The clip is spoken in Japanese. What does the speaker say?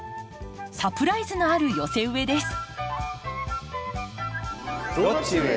サプライズのある寄せ植えです。